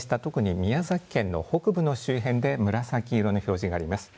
特に宮崎県の北部の周辺で紫色の表示があります。